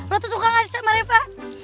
lo tuh suka gak sih sama reva